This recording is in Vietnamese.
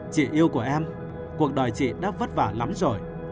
chỉ yêu của em cuộc đời chị đã vất vả lắm rồi